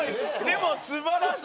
でも素晴らしい。